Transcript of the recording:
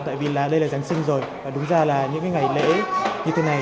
tại vì là đây là giáng sinh rồi và đúng ra là những ngày lễ như thế này